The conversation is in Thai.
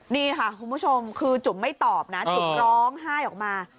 นี่ค่ะคุณผู้ชมคือจุ๋มไม่ตอบนะจุ๋มร้องไห้ออกมา